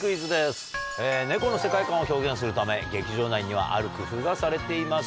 猫の世界観を表現するため劇場内にはある工夫がされています